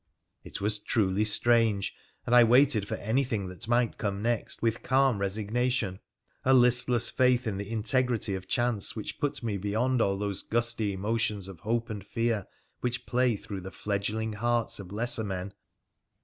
It was truly strange, and I waited for anything that might come next with calm resignation — a listless faith in the integrity of chance which put me beyond all those gusty emotions of hope and fear which play through the fledgling hearts of lesser men.